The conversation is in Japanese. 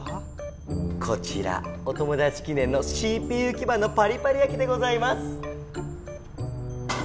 こちらお友だち記ねんのＣＰＵきばんのパリパリやきでございます。